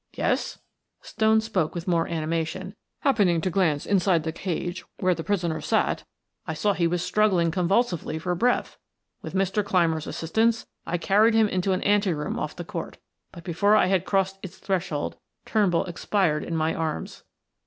"Yes," Stone spoke with more animation. "Happening to glance inside the cage where the prisoner sat, I saw he was struggling convulsively for breath. With Mr. Clymer's assistance I carried him into an ante room off the court, but before I had crossed its threshold Turnbull expired in my arms."